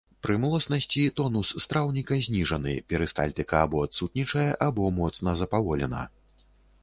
Пры млоснасці тонус страўніка зніжаны, перыстальтыка або адсутнічае, або моцна запаволена.